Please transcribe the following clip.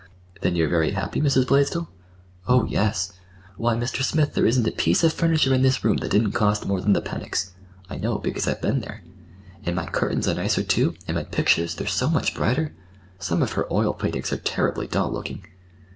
"Then you're very happy, Mrs. Blaisdell?" "Oh, yes. Why, Mr. Smith, there isn't a piece of furniture in this room that didn't cost more than the Pennocks'—I know, because I've been there. And my curtains are nicer, too, and my pictures, they're so much brighter—some of her oil paintings are terribly dull looking.